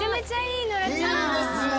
いいですね！